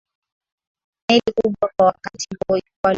meli kubwa kwa wakati huo ilikuwa lusitania